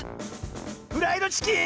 フライドチキン⁉